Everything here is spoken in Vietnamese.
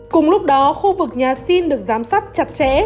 cùng lúc đó khu vực nhà xin được giám sát chặt chẽ